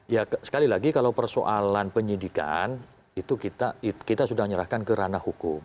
ya sekali lagi kalau persoalan penyidikan itu kita sudah menyerahkan ke ranah hukum